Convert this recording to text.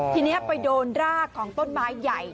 ทีนี้ไปโดนรากของต้นไม้ใหญ่